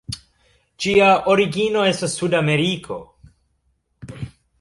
Ĝia origino estas Sudameriko.